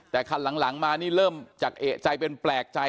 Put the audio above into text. แต่คันหลังมานี่เริ่มจากเอกใจเป็นแปลกใจ